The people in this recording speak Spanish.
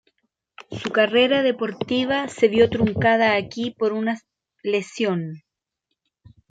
Su carrera deportiva se vio truncada aquí por una lesión.